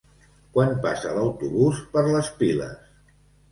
Quan passa l'autobús per les Piles?